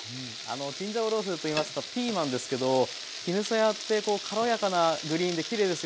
チンジャオロースーといいますとピーマンですけど絹さやってこう軽やかなグリーンできれいですよね。